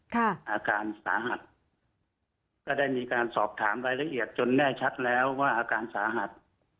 อาการสาหัสก็ได้มีการสอบถามรายละเอียดจนแน่ชัดแล้วว่าอาการสาหัส